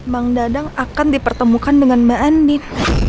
bang dadang akan dipertemukan dengan mbak andi